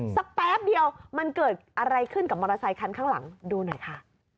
แป๊บเดียวมันเกิดอะไรขึ้นกับมอเตอร์ไซคันข้างหลังดูหน่อยค่ะ